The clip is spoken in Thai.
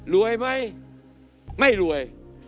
รวยไหมไม่รวย